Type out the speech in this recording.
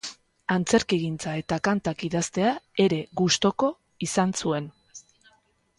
Antzerkigintza eta kantak idaztea ere gustuko izan zuen.